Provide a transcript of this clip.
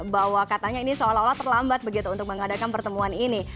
bahwa katanya ini seolah olah terlambat begitu untuk mengadakan pertemuan ini